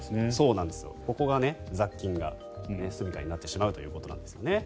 ここが、雑菌のすみかになってしまうということなんですね。